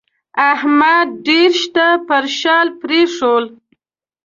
احمد ډېر شته پر شا پرېښول